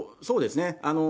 そうですね。